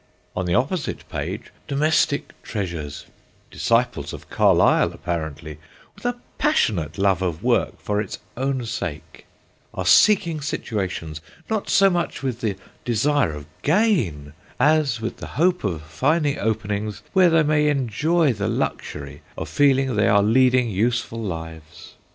On the opposite page, domestic treasures—disciples of Carlyle, apparently, with a passionate love of work for its own sake—are seeking situations, not so much with the desire of gain as with the hope of finding openings where they may enjoy the luxury of feeling they are leading useful lives.